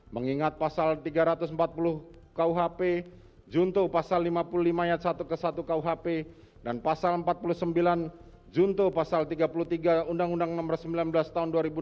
mengingat pasal tiga ratus empat puluh kuhp junto pasal lima puluh lima ayat satu ke satu kuhp dan pasal empat puluh sembilan junto pasal tiga puluh tiga undang undang nomor sembilan belas tahun dua ribu enam belas